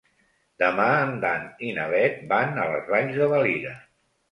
Demà en Dan i na Bet van a les Valls de Valira.